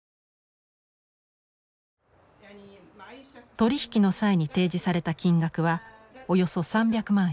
取り引きの際に提示された金額はおよそ３００万円。